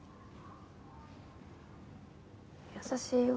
優しいよ。